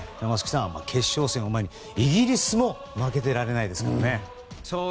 松木さん、決勝戦を前にイギリスも負けてられないですね。